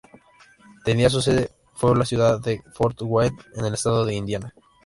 Tenía su sede fue la ciudad de Fort Wayne, en el estado de Indiana.